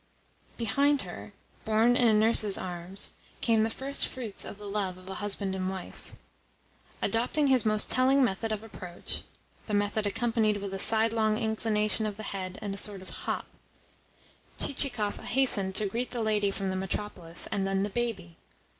Behind her, borne in a nurse's arms, came the first fruits of the love of husband and wife. Adopting his most telling method of approach (the method accompanied with a sidelong inclination of the head and a sort of hop), Chichikov hastened to greet the lady from the metropolis, and then the baby.